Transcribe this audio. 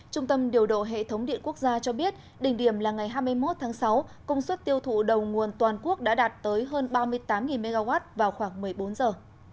trung tâm điều độ hệ thống điện quốc gia cho biết đỉnh điểm là ngày hai mươi một tháng sáu công suất tiêu thụ đầu nguồn toàn quốc đã đạt tới hơn ba mươi tám mw vào khoảng một mươi bốn giờ